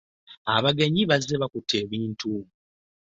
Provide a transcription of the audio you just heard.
Abagenyi bazze bakutte ebintu.